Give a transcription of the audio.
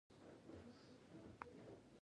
د هندوشاهیانو دوره کې هندویزم و